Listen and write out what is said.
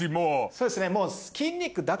そうですね。